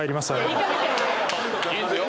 いいっすよ。